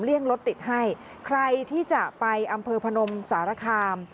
รถติดให้ใครที่จะไปอำเภอพนมสารคาม